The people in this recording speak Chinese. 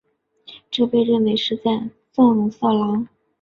这被认为是在纵容色狼。